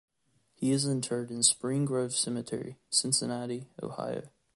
He is interred in Spring Grove Cemetery, Cincinnati, Ohio.